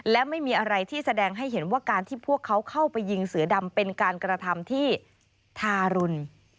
และไม่มีอะไรที่แสดงให้เห็นว่าการที่พวกเขาเข้าไปยิงเสือดำเป็นการกระทำที่ทารุณ